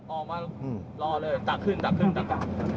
ออกมารอเลยตักขึ้นตักกลับ